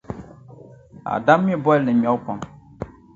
Adam mi bɔlli ŋmebu pam.